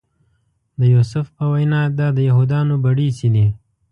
د یوسف په وینا دا د یهودانو بړیڅي دي.